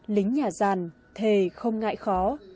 lính nhà giàn thề không ngại khó